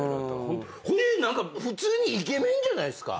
こういう何か普通にイケメンじゃないですか。